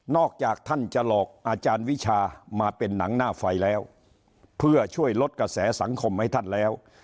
จากท่านจะหลอกอาจารย์วิชามาเป็นหนังหน้าไฟแล้วเพื่อช่วยลดกระแสสังคมให้ท่านแล้ว